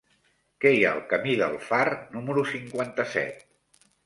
Què hi ha al camí del Far número cinquanta-set?